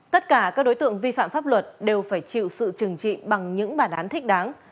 tất cả các đối tượng vi phạm pháp luật đều phải chịu sự trừng trị bằng những bản án thích đáng